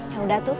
ya udah tuh